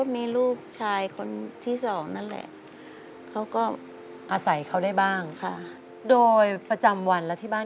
รลูปฉายคนที่๒นั่นแหละ